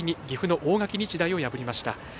岐阜の大垣日大を破りました。